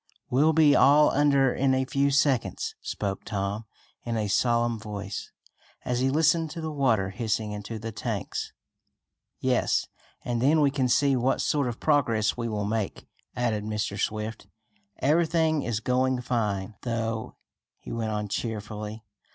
"We'll be all under in a few seconds," spoke Tom in a solemn voice, as he listened to the water hissing into the tanks. "Yes, and then we can see what sort of progress we will make," added Mr. Swift. "Everything is going fine, though," he went on cheerfully.